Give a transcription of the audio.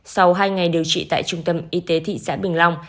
sau hai ngày điều trị tại trung tâm y tế thị xã bình long